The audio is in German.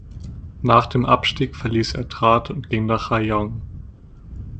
Nach dem Abstieg verließ er Trat und ging nach Rayong.